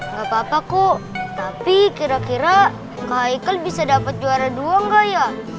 gapapa kok tapi kira kira ke haikel bisa dapat juara dua gak ya